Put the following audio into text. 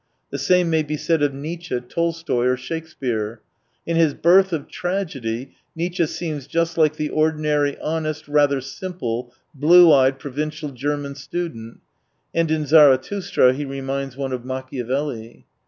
The same may be said of Nietzsche^ Tolstoy, or Shakespeare. In his Birth of Tragedy Nietzsche seems just like the ordinary honest, rather simple, blue eyed provincial German student, and in Zarathustra he reminds one of Machiavelli.